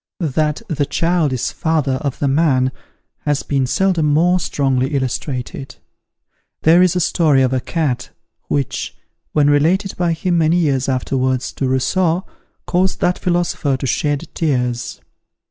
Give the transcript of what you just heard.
That "the child is the father of the man," has been seldom more strongly illustrated. There is a story of a cat, which, when related by him many years afterwards to Rousseau, caused that philosopher to shed tears.